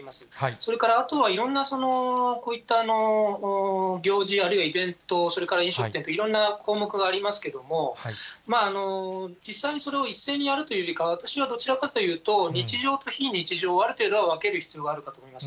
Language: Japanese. それからあとはいろんなこういった行事やあるいはイベント、それから飲食店など、いろんな項目ありますけれども、実際にそれを一斉にやるというよりかは、私はどちらかというと、日常と非日常をある程度は分ける必要があると思います。